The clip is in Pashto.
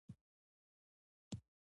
• د سهار چای د دماغ لپاره قوت دی.